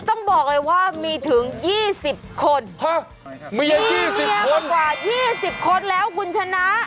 ต้องบอกเลยว่ามีถึง๒๐คนมีเมียมากว่า๒๐คนแล้วคุณชนะ